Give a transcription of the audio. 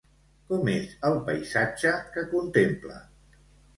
Com és el paisatge que contempla?